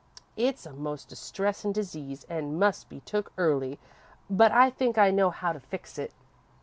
It 's a most distressin' disease an' must be took early, but I think I know how to fix it."